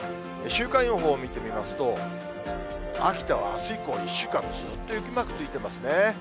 週間予報見てみますと、秋田はあす以降、１週間、ずっと雪マークついてますね。